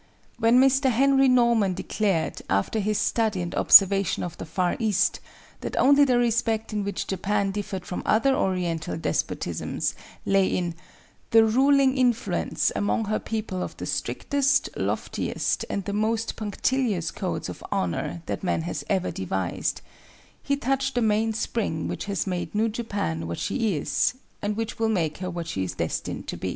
When Mr. Henry Norman declared, after his study and observation of the Far East, that only the respect in which Japan differed from other oriental despotisms lay in "the ruling influence among her people of the strictest, loftiest, and the most punctilious codes of honor that man has ever devised," he touched the main spring which has made new Japan what she is and which will make her what she is destined to be.